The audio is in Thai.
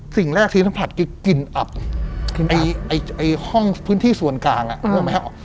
สิ่งแรกที่ถ้าผลัดคือกลิ่นอับไอ้ห้องพื้นที่ส่วนกลางอ่ะ